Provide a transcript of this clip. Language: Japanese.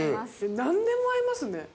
何でも合いますね。